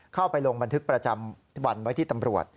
ไปลงบันทึกประจำวันไว้ที่ตำรวจ